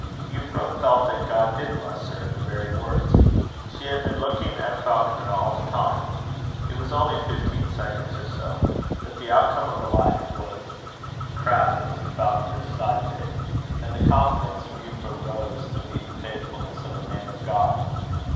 Euphra felt that God did bless her in the very words. She had been looking at Falconer all the time. It was only fifteen seconds or so; but the outcome of a life was crowded into Falconer's side of it; and the confidence of Euphra rose to meet the faithfulness of a man of God.